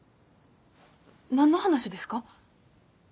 何の話ですか？